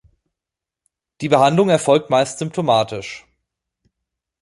Die Behandlung erfolgt meist symptomatisch.